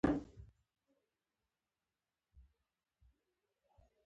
لاهور